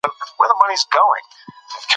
یواځی د نیک عمل په وجه د دوی ترمنځ فضیلت قایل دی،